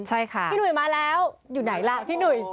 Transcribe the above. พี่หนุยมาแล้วอยู่ไหนล่ะพี่หนุย